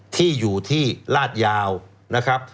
ที่อยู่ที่ลาดยาวนะครับ